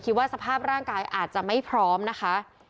คิดว่าสภาพร่างกายอาจจะไม่พร้อมนะคะ